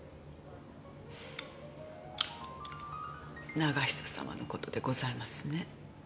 永久様の事でございますね。